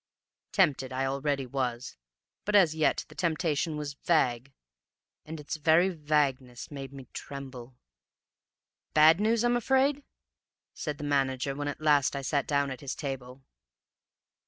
Tempted I already was, but as yet the temptation was vague, and its very vagueness made me tremble. "'Bad news, I'm afraid?' said the manager, when at last I sat down at his table.